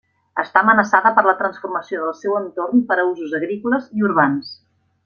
Està amenaçada per la transformació del seu entorn per a usos agrícoles i urbans.